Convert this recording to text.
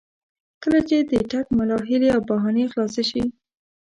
کله چې د ټګ ملا هیلې او بهانې خلاصې شي.